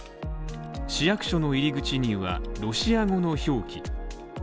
市役所の入り口には、ロシア語の表記。